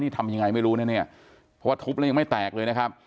ทำยังไงไม่รู้นะเนี่ยเพราะว่าทุบแล้วยังไม่แตกเลยนะครับ